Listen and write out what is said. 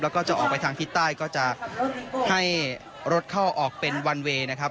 แล้วก็จะออกไปทางทิศใต้ก็จะให้รถเข้าออกเป็นวันเวย์นะครับ